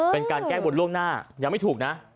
เป็นการแก้บนล่วงหน้ายังไม่ถูกนะ